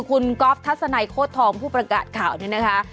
คุณก๊อฟทัศนัยโคตรทองผู้ประกาศข่าวนี้นะคะ